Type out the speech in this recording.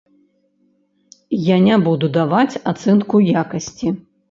Я не буду даваць ацэнку якасці.